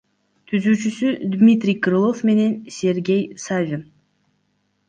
Түзүүчүсү — Дмитрий Крылов менен Сергей Савин.